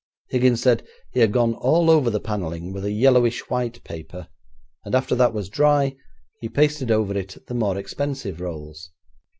Higgins said he had gone all over the panelling with a yellowish white paper, and after that was dry, he pasted over it the more expensive rolls.